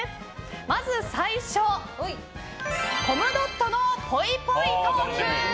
まず最初コムドットのぽいぽいトーク。